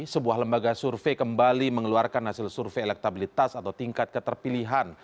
sebuah lembaga survei kembali mengeluarkan hasil survei elektabilitas atau tingkat keterpilihan